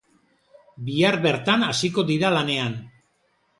Bihar bertan hasiko dira lanean.